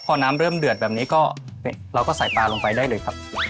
พอน้ำเริ่มเดือดแบบนี้ก็เราก็ใส่ปลาลงไปได้เลยครับ